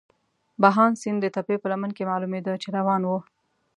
بهاند سیند د تپې په لمن کې معلومېده، چې روان وو.